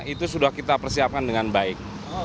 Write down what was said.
itu sudah kita persiapkan dengan baik